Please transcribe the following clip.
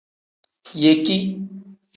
Yeki.